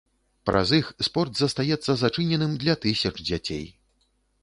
Праз іх спорт застаецца зачыненым для тысяч дзяцей.